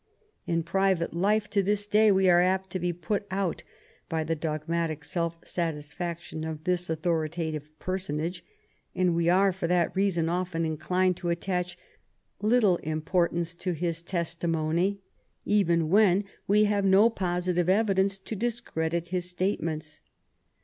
In private life, to this day, we are apt to be put out by the dogmatic self satisfaction of this authori tative personage, and we are for that reason often inclined to attach little importance to his testimony, even where we have no positive evidence to discredit his statements.